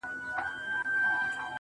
ما مجسمه د بې وفا په غېږ كي ايښې ده.